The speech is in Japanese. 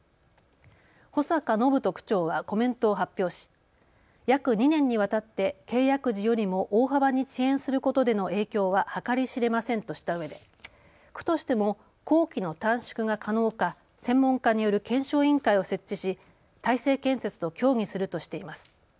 保坂展人区長はコメントを発表し約２年にわたって契約時よりも大幅に遅延することでの影響は計り知れませんとしたうえで区としても工期の短縮が可能か専門家による検証委員会を設置し大成建設と協議するとしています。